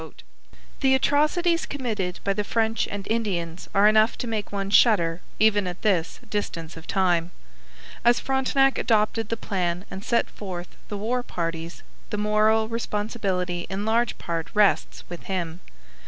The atrocities committed by the French and Indians are enough to make one shudder even at this distance of time. As Frontenac adopted the plan and sent forth the war parties, the moral responsibility in large part rests with him.